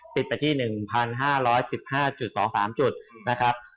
ปิดไปที่๑๕๑๕๒๓จุดนะครับ